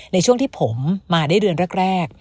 ในช่วงที่ผมมาได้เดือนแรก